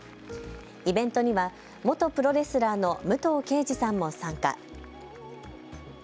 イベントには元プロレスラーの武藤敬司さんも参加。